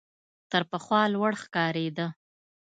تر پخوا لوړ ښکارېده .